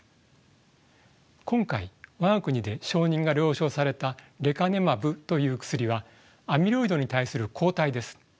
今回我が国で承認が了承されたレカネマブという薬はアミロイドに対する抗体です。